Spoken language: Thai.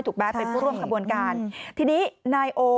ถูกแบดเป็นผู้ร่วมกระบวนการณ์ทีนี้นายโอ